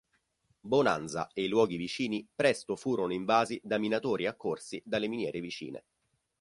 Bonanza e i luoghi vicini presto furono invasi da minatori accorsi dalle miniere vicine.